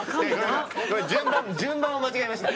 順番を間違いました。